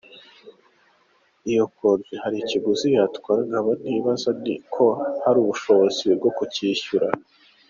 Iyo konji hari ikiguzi yatwara nkaba ntibaza ko hari ubushobozi bwo kucyishyura.